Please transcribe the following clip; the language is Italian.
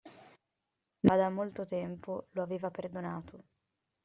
Ma da molto tempo lo aveva perdonato.